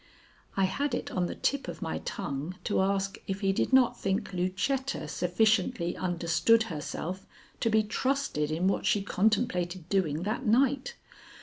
I had it on the tip of my tongue to ask if he did not think Lucetta sufficiently understood herself to be trusted in what she contemplated doing that night.